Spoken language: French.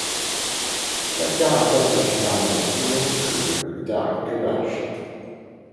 La carapace est généralement plus longue que large.